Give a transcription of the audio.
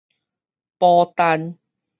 寶丹